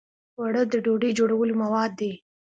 اوړه د ډوډۍ جوړولو مواد دي